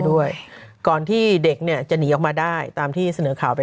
ด้วยก่อนที่เด็กเนี่ยจะหนีออกมาได้ตามที่เสนอข่าวไป